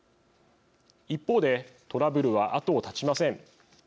一方でトラブルは後を絶ちません。